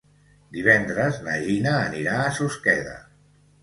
Divendres na Gina anirà a Susqueda.